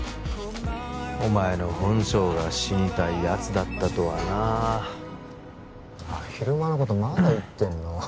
お前の本性が死にたいやつだったとはなああっ昼間のことまだ言ってんの？